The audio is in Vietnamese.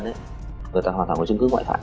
người ta hoàn toàn có chứng cứ ngoại phạm